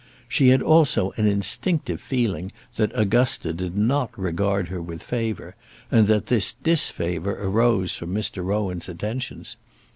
She had also an instinctive feeling that Augusta did not regard her with favour, and that this disfavour arose from Mr. Rowan's attentions.